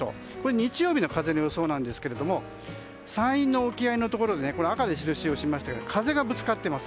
日曜日の風の予想ですが山陰の沖合のところで赤で印をしましたけど風がぶつかっていきます。